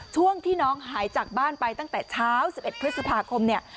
ช่วงที่น้องหายจากบ้านไปตั้งแต่เช้า๑๑พฤษภาคมเนี่ย